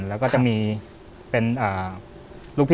แล้วก็จะมีเป็นอ่า